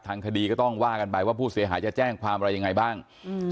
ทางคดีก็ต้องว่ากันไปว่าผู้เสียหายจะแจ้งความอะไรยังไงบ้าง